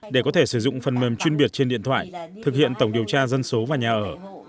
để có thể sử dụng phần mềm chuyên biệt trên điện thoại thực hiện tổng điều tra dân số và nhà ở